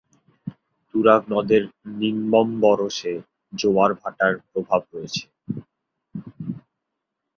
তুরাগ নদের নিম্নম্বরশে জোয়ার-ভাটার প্রভাব রয়েছে।